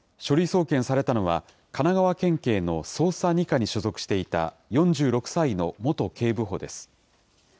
書類送検されたのは、神奈川県警の捜査２課に所属していた４６歳の元警部補です。